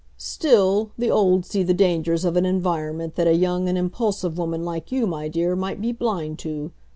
"Still, the old see the dangers of an environment that a young and impulsive woman like you, my dear, might be blind to.